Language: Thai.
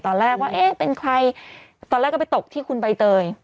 ตอนแรกว่าเอ๊ะเป็นใครตอนแรกก็ไปตกที่คุณใบเตย